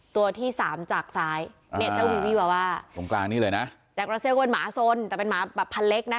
ตัวที่สามจากซ้ายเนี่ยเจ้าวีวี่วาว่าตรงกลางนี้เลยนะจากเราเรียกว่าหมาสนแต่เป็นหมาแบบพันเล็กนะคะ